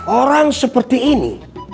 orang seperti ini